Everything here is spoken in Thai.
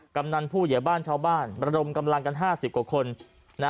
กำนันผู้เหยียบ้านชาวบ้านระดมกำลังกัน๕๐กว่าคนนะ